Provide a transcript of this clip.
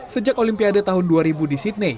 sejak olimpiade tahun dua ribu di sydney